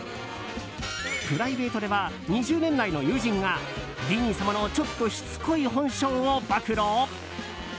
プライベートでは２０年来の友人がディーン様のちょっとしつこい本性を暴露？